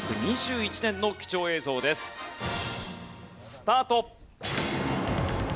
スタート！